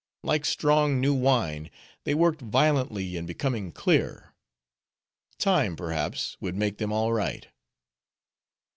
Like strong new wine they worked violently in becoming clear. Time, perhaps, would make them all right.